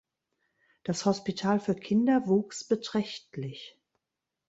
Das Hospital für Kinder wuchs beträchtlich.